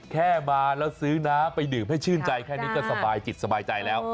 แค่มาแล้วซื้อน้ำไปดื่มให้ชื่นใจแค่นี้ก็สบายจิตสบายใจแล้ว